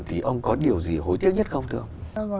thì ông có điều gì hồi tiếc nhất không thưa ông